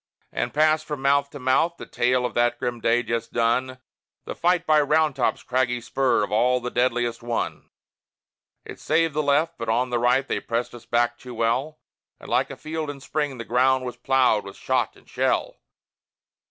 And passed from mouth to mouth the tale of that grim day just done, The fight by Round Top's craggy spur, of all the deadliest one; It saved the left: but on the right they pressed us back too well, And like a field in Spring the ground was ploughed with shot and shell.